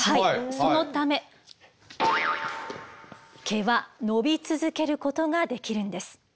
そのため毛は伸び続けることができるんです。